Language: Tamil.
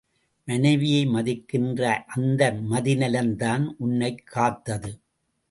மனைவியை மதிக்கின்ற அந்த மதி நலம் தான் உன்னைக் காத்தது.